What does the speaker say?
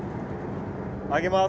上げます。